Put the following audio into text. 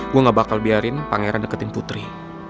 gue gak bakal biarin pangeran deketin putri